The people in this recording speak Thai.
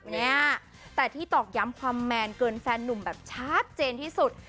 เนี่ยแต่ที่ตอกย้ำความแมนเกินแฟนนุ่มแบบชัดเจนที่สุด